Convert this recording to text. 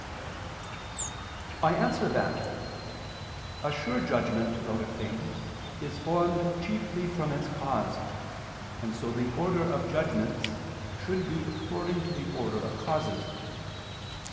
I answer that, A sure judgment about a thing is formed chiefly from its cause, and so the order of judgments should be according to the order of causes.